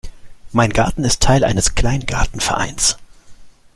Mein Garten ist Teil eines Kleingartenvereins.